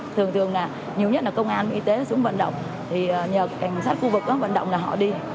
thường thường là nhiều nhất là công an y tế xuống vận động thì nhờ cảnh sát khu vực vận động là họ đi